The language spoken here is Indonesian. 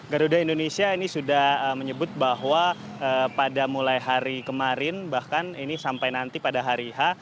garuda indonesia ini sudah menyebut bahwa pada mulai hari kemarin bahkan ini sampai nanti pada hari h